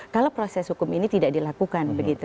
kalau proses hukum ini tidak dilakukan